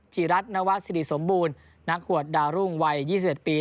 จิรัทนวัสดิสมบูรณ์นักหวัดดารุ่งวัย๒๑ปี